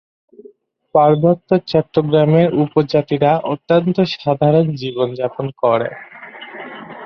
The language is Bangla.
পার্বত্য চট্টগ্রামের উপজাতিরা অত্যন্ত সাধারণ জীবন যাপন করে।